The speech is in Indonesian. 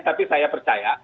tapi saya percaya